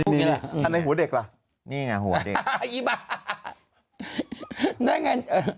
นี่ในหัวเด็กละ